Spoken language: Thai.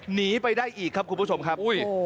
หนีไปได้อีกครับคุณผู้ชมครับ